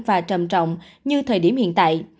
và trầm trọng như thời điểm hiện tại